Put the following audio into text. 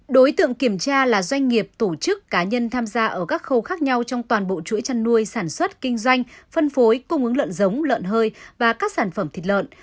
đối tượng kiểm tra là doanh nghiệp tổ chức cá nhân tham gia ở các khâu khác nhau trong toàn bộ chuỗi chăn nuôi sản xuất kinh doanh phân phối cung ứng lợn giống lợn hơi và các sản phẩm thịt lợn